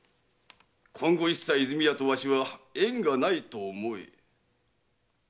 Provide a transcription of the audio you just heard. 「今後一切和泉屋とわしは縁がないと思え」